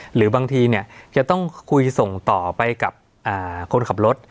หรือบางทีจะต้องคุยส่งต่อไปกับคนขับรถ